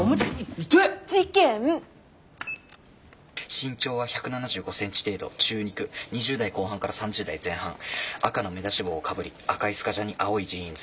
「身長は１７５ｃｍ程度中肉２０代後半から３０代前半赤の目出し帽をかぶり赤いスカジャンに青いジーンズ」。